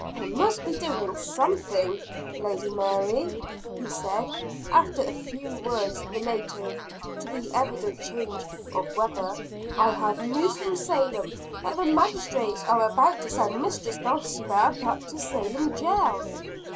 "I must be doing something, Lady Mary," he said, after a few words relative to the evident change of weather; "I have news from Salem that the Magistrates are about to send Mistress Dulcibel back to Salem jail."